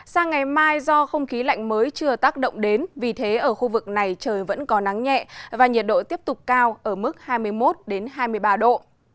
sang ngày mai do không khí lạnh mới chưa tác động đến vì thế ở khu vực này trời vẫn có nắng nhẹ và nhiệt độ tiếp tục cao ở mức hai mươi một hai mươi ba độ